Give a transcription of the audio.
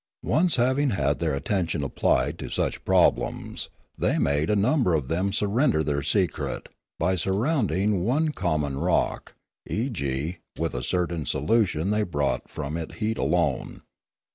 Once having had their attention applied to such problems, they made a number of them surrender their secret; by surround ing one common rock, e. g.% with a certain solution they brought from it heat alone.